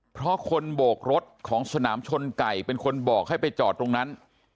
เพราะคนโบกรถของสนามชนไก่เป็นคนบอกให้ไปจอดตรงนั้น